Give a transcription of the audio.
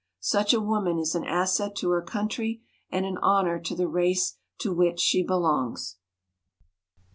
Such a woman is an asset to her country and an honor to the race to which she be longs.